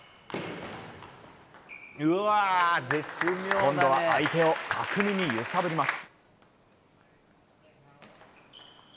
今度は相手を巧みに揺さぶります。